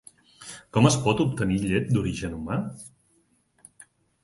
Com es pot obtenir llet d'origen humà?